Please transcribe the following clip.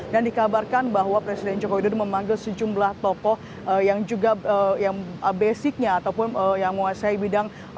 dikabarkan bahwa presiden joko widodo memanggil sejumlah tokoh yang juga yang basicnya ataupun yang menguasai bidang